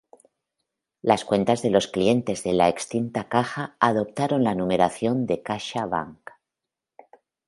Las cuentas de los clientes de la extinta caja adoptaron la numeración de CaixaBank.